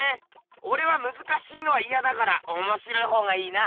おれはむずかしいのはイヤだからおもしろいほうがいいな。